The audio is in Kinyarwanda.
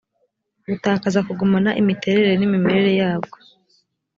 butakaza kugumana imiterere n imimerere yabwo